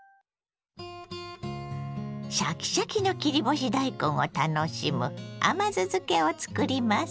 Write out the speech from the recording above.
シャキシャキの切り干し大根を楽しむ甘酢漬けを作ります。